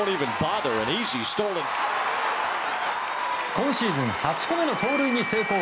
今シーズン８個目の盗塁に成功。